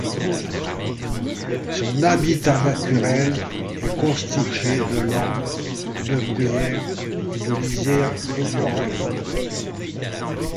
Son habitat naturel est constitué de landes, de bruyères et de lisières de forêts.